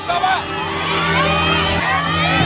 จะเล่นหรือยุดครับ